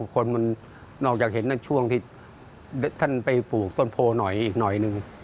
คนมันนอกจากเห็นในช่วงที่ท่านไปปลูกต้นโพหน่อยอีกหน่อยหนึ่ง